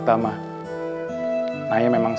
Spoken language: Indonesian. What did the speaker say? naya memang sanggup menjadi chef di restoran kita